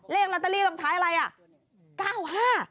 เลขลอตซาลีตามท้ายบ่ายอะไร